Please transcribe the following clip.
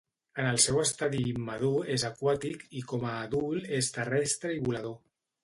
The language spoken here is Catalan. En el seu estadi immadur és aquàtic i com a adult és terrestre i volador.